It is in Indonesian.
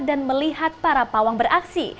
dan melihat para pawang beraksi